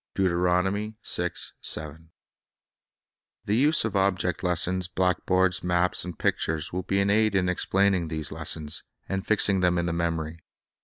1 The use of object lessons, blackboards, maps, and pictures, will be an aid in explaining these lessons, Object ant j fixing them in the memory.